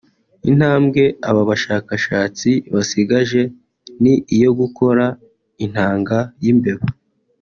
Intambwe aba bashakastsi basigaje ni iyo gukora intanga y’imbeba